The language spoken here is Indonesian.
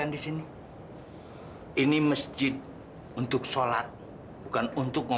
aku ada berhati hati